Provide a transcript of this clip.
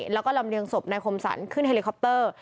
แล้วก็ลำเลียงศพนายคมสรรขึ้นเฮลิคอปเตอร์